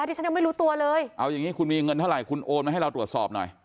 ที่ฉันยังไม่รู้ตัวเลยเอาอย่างนี้คุณมีเงินเท่าไหร่คุณโอนมาให้เราตรวจสอบหน่อย